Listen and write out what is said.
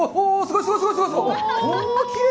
すごい、すごい。